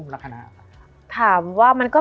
มันทำให้ชีวิตผู้มันไปไม่รอด